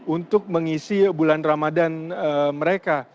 untuk mengisi bulan ramadan mereka